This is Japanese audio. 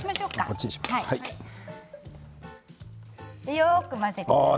よく混ぜてください。